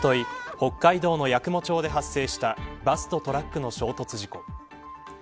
北海道の八雲町で発生したバスとトラックの衝突事故。